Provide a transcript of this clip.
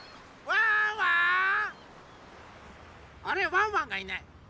ワンワンがいない。